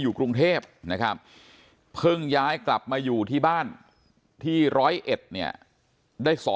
กรุงเทพนะครับเพิ่งย้ายกลับมาอยู่ที่บ้านที่๑๐๑เนี่ยได้๒